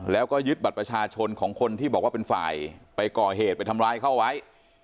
แล้วก็ยึดบัตรประชาชนของคนที่บอกว่าเป็นฝ่ายไปก่อเหตุไปทำร้ายเขาไว้